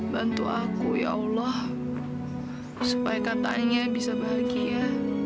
bantu aku ya allah supaya katanya bisa bahagia